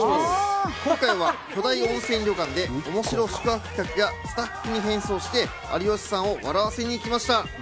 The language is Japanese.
今回は巨大温泉旅館でおもしろい宿泊客やスタッフに変装して有吉さんを笑わせに行きました。